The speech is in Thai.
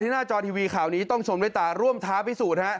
หน้าจอทีวีข่าวนี้ต้องชมด้วยตาร่วมท้าพิสูจน์ฮะ